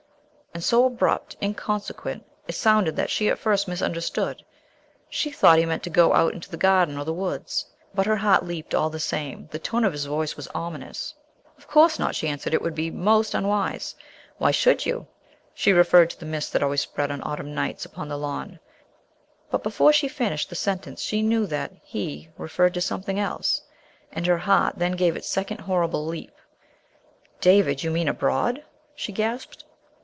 And so abrupt, inconsequent, it sounded that she at first misunderstood. She thought he meant to go out into the garden or the woods. But her heart leaped all the same. The tone of his voice was ominous. "Of course not," she answered, "it would be most unwise. Why should you ?" She referred to the mist that always spread on autumn nights upon the lawn, but before she finished the sentence she knew that he referred to something else. And her heart then gave its second horrible leap. "David! You mean abroad?" she gasped.